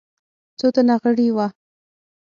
څو تنه غړي وه.